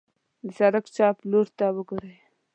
د سړک چپ لورته وګورئ.